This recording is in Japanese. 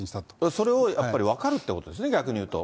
それをやっぱり分かるっていうことですね、逆にいうと。